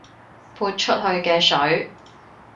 潑出去嘅水